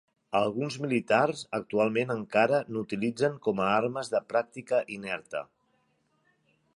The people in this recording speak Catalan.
Alguns militars actualment encara n'utilitzen com a armes de pràctica inerta.